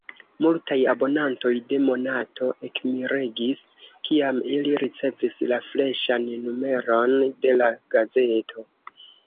Multaj abonantoj de Monato ekmiregis, kiam ili ricevis la freŝan numeron de la gazeto.